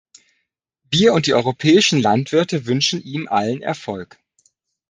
Wir und die europäischen Landwirte wünschen ihm allen Erfolg!